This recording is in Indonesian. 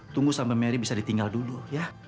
tunggu sampai mary bisa ditinggal dulu ya